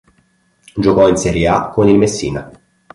Giocò in Serie A con il Messina.